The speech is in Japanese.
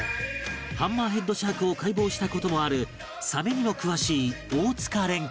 ハンマーヘッドシャークを解剖した事もあるサメにも詳しい大塚蓮君